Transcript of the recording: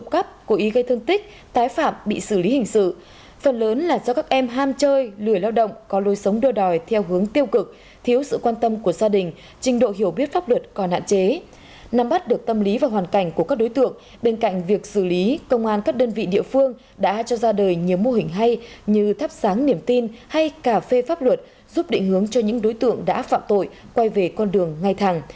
cả phê pháp luật giúp định hướng cho những đối tượng đã phạm tội quay về con đường ngay thẳng